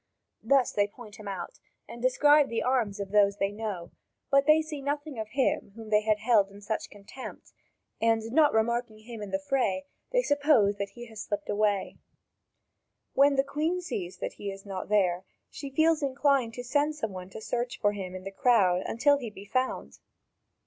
Thus they point out and describe the arms of those they know; but they see nothing of him whom they had held in such contempt, and, not remarking him in the fray, they suppose that he has slipped away. When the Queen sees that he is not there, she feels inclined to send some one to search for him in the crowd until he be found.